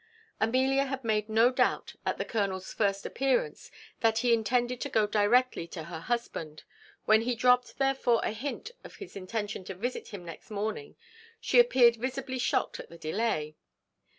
Amelia had made no doubt, at the colonel's first appearance, but that he intended to go directly to her husband. When he dropt therefore a hint of his intention to visit him next morning she appeared visibly shocked at the delay.